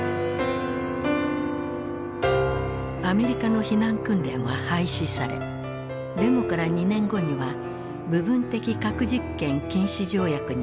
アメリカの避難訓練は廃止されデモから２年後には部分的核実験禁止条約に米ソも署名。